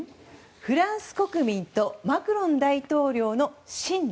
フランス国民とマクロン大統領の信念。